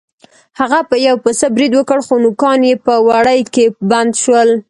هغه په یو پسه برید وکړ خو نوکان یې په وړۍ کې بند شول.